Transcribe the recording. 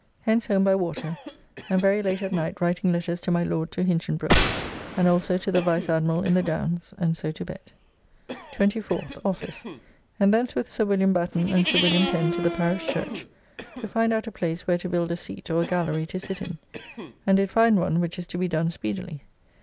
Hence home by water, and very late at night writing letters to my Lord to Hinchinbroke, and also to the Vice Admiral in the Downs, and so to bed. 24th. Office, and thence with Sir William Batten and Sir William Pen to the parish church to find out a place where to build a seat or a gallery to sit in, and did find one which is to be done speedily.